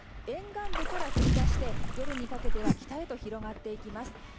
沿岸部から降り出して夜にかけては北へと広がっていきます。